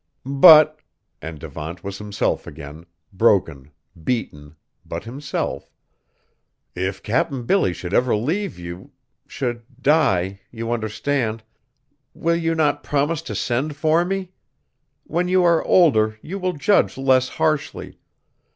"But," and Devant was himself again, broken, beaten, but himself, "if Captain Billy should ever leave you should die, you understand? Will you not promise to send for me? When you are older, you will judge less harshly.